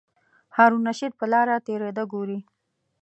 هارون الرشید په لاره تېرېده ګوري.